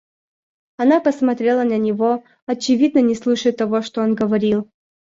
Она посмотрела на него, очевидно не слушая того, что он говорил.